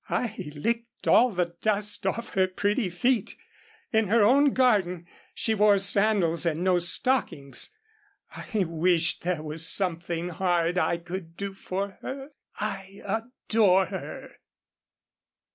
I licked all the dust off her pretty feet. In her own garden, she wore sandals and no stockings. I wished there was something hard I could do for her I adore her.